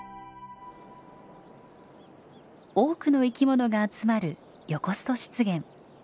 多くの生き物が集まるヨコスト湿原。